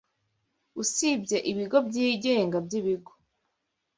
usibye ibigo byigenga byibigo